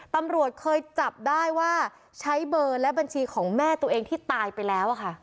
ตำรวจเคยจับได้ว่าใช้เบอร์และบัญชีของแม่ตัวเองที่ตายไปแล้วค่ะ